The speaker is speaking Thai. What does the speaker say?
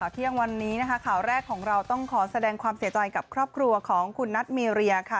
เที่ยงวันนี้นะคะข่าวแรกของเราต้องขอแสดงความเสียใจกับครอบครัวของคุณนัทมีเรียค่ะ